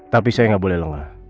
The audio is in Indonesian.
tapi saya nggak boleh lengah